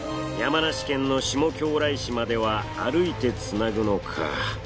山梨県の下教来石までは歩いてつなぐのか。